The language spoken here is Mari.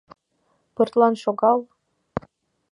— Пыртлан шогал.